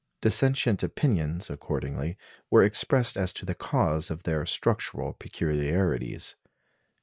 Dissentient opinions, accordingly, were expressed as to the cause of their structural peculiarities.